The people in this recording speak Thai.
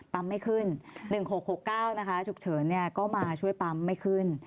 ปั๊มไม่ขึ้น๑๖๖๙ชุกเฉินก็มาช่วยปั๊มไม่ขึ้น